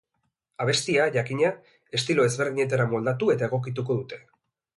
Abestia, jakina, estilo ezberdinetara moldatu eta egokituko dute.